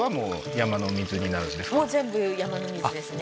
もう全部山の水ですね